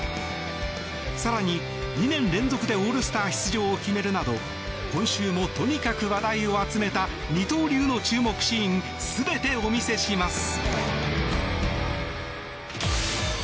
更に、２年連続でオールスター出場を決めるなど今週もとにかく話題を集めた二刀流の注目シーン全てお見せします。